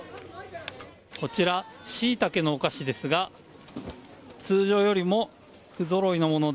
こちら、しいたけのお菓子ですが、通常よりも不ぞろいのもので、